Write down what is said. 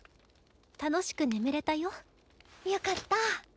楽しく眠れたよ。よかった。